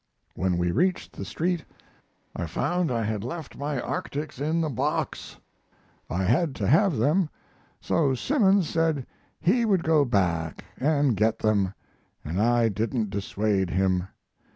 When we reached the street I found I had left my arctics in the box. I had to have them, so Simmons said he would go back & get them, & I didn't dissuade him.